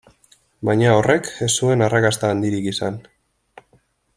Baina horrek ez zuen arrakasta handirik izan.